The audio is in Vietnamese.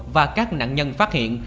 và các nạn nhân phát hiện